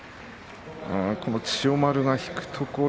千代丸が引くところ。